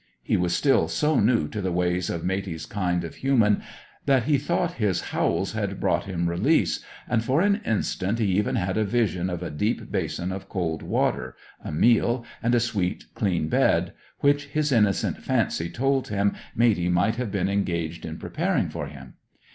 He was still so new to the ways of Matey's kind of human, that he thought his howls had brought him release, and, for an instant, he even had a vision of a deep basin of cold water, a meal, and a sweet, clean bed, which his innocent fancy told him Matey might have been engaged in preparing for him.